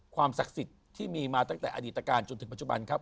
ศักดิ์สิทธิ์ที่มีมาตั้งแต่อดีตการจนถึงปัจจุบันครับ